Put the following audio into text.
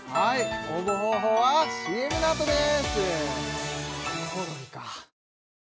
応募方法はＣＭの後です